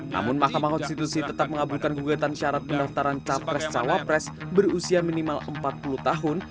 namun mahkamah konstitusi tetap mengabulkan gugatan syarat pendaftaran capres cawapres berusia minimal empat puluh tahun